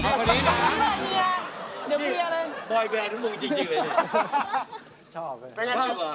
ชอบสิรีทูปเป็นไง